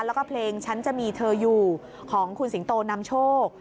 แล้วก็เพลงฉันจะมีเธออยู่ของคุณสิงโตนำโชค